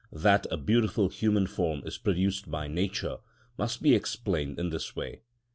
That a beautiful human form is produced by nature must be explained in this way.